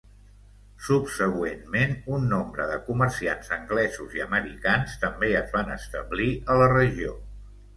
Subsegüentment un nombre de comerciants anglesos i americans també es van establir a la regió.